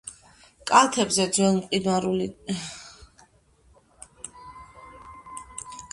კალთებზე ძველმყინვარული ცირკები და კარებია.